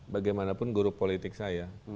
bagaimanapun guru politik saya